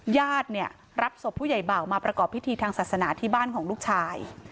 ญาติเนี่ยรับศพผู้ใหญ่บ่าวมาประกอบพิธีทางศาสนาที่บ้านของลูกชาย